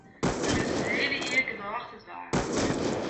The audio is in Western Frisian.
Der is it hiele jier genôch te dwaan.